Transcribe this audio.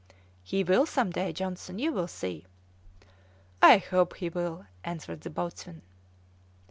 "He will some day, Johnson, you will see." "I hope he will," answered the boatswain.